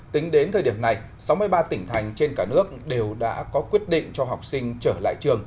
tính đến thời điểm này sáu mươi ba tỉnh thành trên cả nước đều đã có quyết định cho học sinh trở lại trường